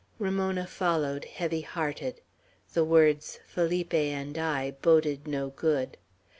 Ramona followed, heavy hearted. The words, "Felipe and I," boded no good.